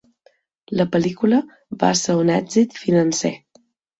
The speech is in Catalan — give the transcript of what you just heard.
La pel·lícula va ser un èxit financer.